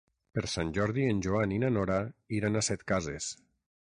Per Sant Jordi en Joan i na Nora iran a Setcases.